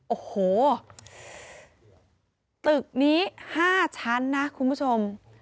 โอ้โหตึกนี้๕ชั้นนะคุณผู้ชม